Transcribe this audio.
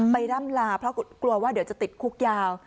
ร่ำลาเพราะกลัวว่าเดี๋ยวจะติดคุกยาว